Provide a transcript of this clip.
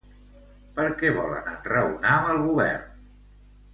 Per què volen enraonar amb el govern?